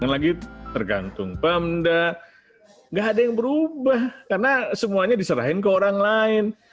lagi tergantung pemda nggak ada yang berubah karena semuanya diserahin ke orang lain